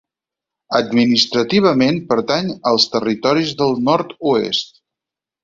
Administrativament pertany als Territoris del Nord-oest.